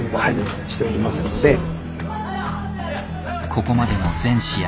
ここまでも全試合